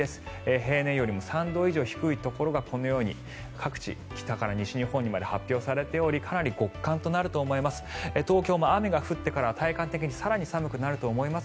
平年よりも３度以上低いところがこのように各地、北から西日本にまで発表されておりかなり極寒となると思います。